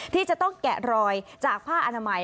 ที่จะต้องแกะรอยจากผ้าอนามัย